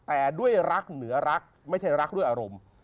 แต่ด้วยรักเหนือรักไม่ใช่รักด้วยอารมณ์